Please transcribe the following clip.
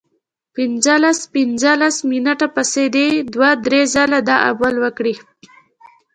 پنځلس پنځلس منټه پس دې دوه درې ځله دا عمل وکړي